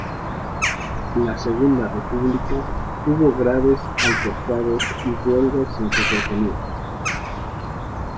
En la Segunda República hubo graves altercados y huelgas en sus cercanías.